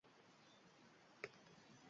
Dissabte na Queralt anirà a visitar mon oncle.